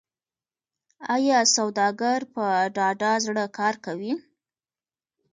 آیا سوداګر په ډاډه زړه کار کوي؟